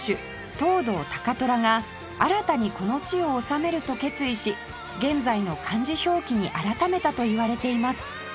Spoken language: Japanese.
藤堂高虎が「新たにこの地を治める」と決意し現在の漢字表記に改めたといわれています